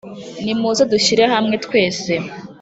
nimuze dushyire hamwe twese